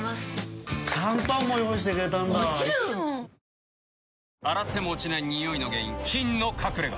え．．．洗っても落ちないニオイの原因菌の隠れ家。